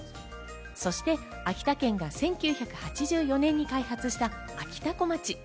そして秋田県が１９８４年に開発した、あきたこまち。